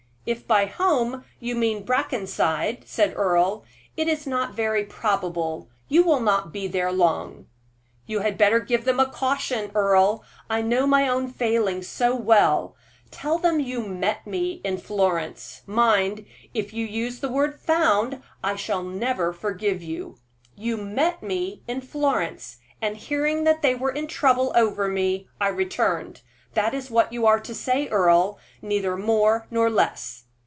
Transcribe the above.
"If by home you mean Brackenside," said Earle, "it is not very probable; you will not be there long." "You had better give them a caution, Earle. I know my own failings so well. Tell them that you met me in Florence. Mind, if you use the word found I shall never forgive you. You met me in Florence, and hearing that they were in trouble over me, I returned; that is what you have to say, Earle, neither more nor less."